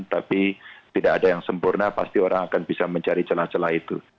tapi tidak ada yang sempurna pasti orang akan bisa mencari celah celah itu